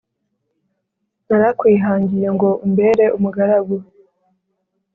narakwihangiye ngo umbere umugaragu,